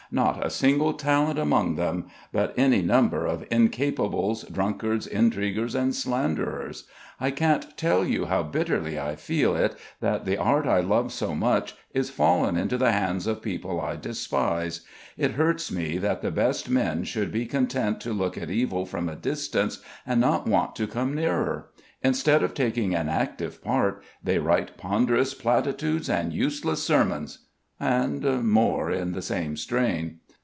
Not a single talent among them, but any number of incapables, drunkards, intriguers, and slanderers. I can't tell you how bitterly I feel it that the art I love so much is fallen into the hands of people I despise. It hurts me that the best men should be content to look at evil from a distance and not want to come nearer. Instead of taking an active part, they write ponderous platitudes and useless sermons...." and more in the same strain.